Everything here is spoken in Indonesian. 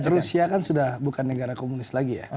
jadi rusia kan sudah bukan negara komunis